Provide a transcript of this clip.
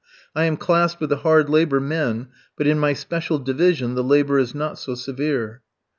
I am classed with the hard labour men, but in my special division the labour is not so severe."